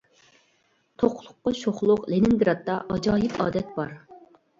توقلۇققا شوخلۇق لېنىنگرادتا ئاجايىپ ئادەت بار.